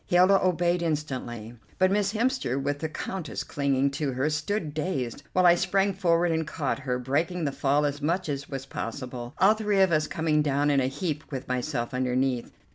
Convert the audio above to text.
Hilda obeyed instantly, but Miss Hemster, with the Countess clinging to her, stood dazed, while I sprang forward and caught her, breaking the fall as much as was possible, all three of us coming down in a heap with myself underneath.